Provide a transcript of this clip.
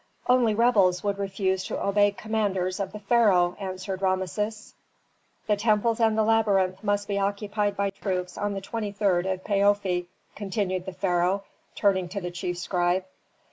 "Only rebels would refuse to obey commanders of the pharaoh," answered Rameses. "The temples and the labyrinth must be occupied by troops on the 23d of Paofi," continued the pharaoh, turning to the chief scribe.